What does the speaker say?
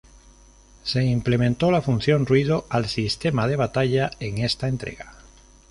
Se implementó la función "Ruido" al sistema de batalla en esta entrega.